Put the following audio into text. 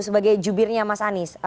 sebagai jubirnya mas anies